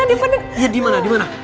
iya dimana dimana